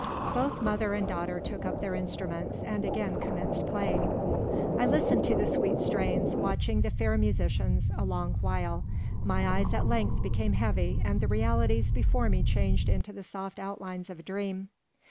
Both mother and daughter took up their instruments, and again commenced playing. I listened to the sweet strains, watching the fair musicians a long while. My eyes at length became heavy, and the realities before me changed into the soft outlines of a dream.